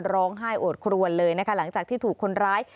ร้องไห้โอดครวนเลยนะคะหลังจากที่ถูกคนร้าย